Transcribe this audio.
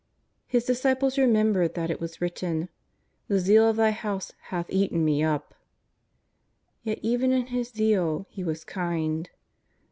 His disciples remembered that it was written :" The zeal of Thy House hath eaten Me up." Yet, even in His zeal He was kind.